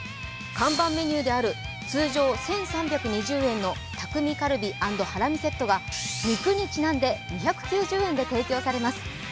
看板メニューである通常１３２０円の匠カルビ＆ハラミセットが、肉にちなんで２９０円で提供されます